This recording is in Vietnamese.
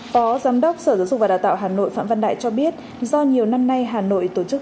phó giám đốc sở giáo dục và đào tạo hà nội phạm văn đại cho biết do nhiều năm nay hà nội tổ chức